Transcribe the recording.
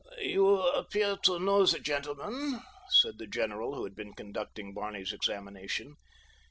"You appear to know the gentleman," said the general who had been conducting Barney's examination.